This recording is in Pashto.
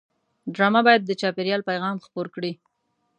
ډرامه باید د چاپېریال پیغام خپور کړي